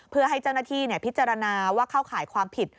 เพื่อให้เจ้าหน้าที่พิจารณาว่าเข้าข่ายความผิด